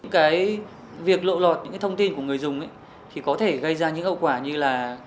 cái việc lộ lọt những cái thông tin của người dùng thì có thể gây ra những hậu quả như là